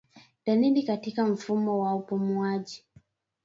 Dalili katika mfumo wa upumuaji